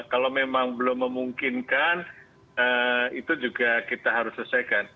kalau memang belum memungkinkan itu juga kita harus selesaikan